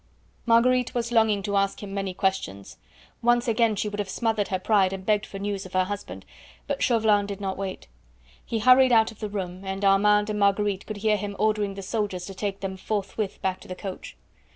Marguerite was longing to ask him many questions; once again she would have smothered her pride and begged for news of her husband, but Chauvelin did not wait. He hurried out of the room, and Armand and Marguerite could hear him ordering the soldiers to take them forthwith back to the coach.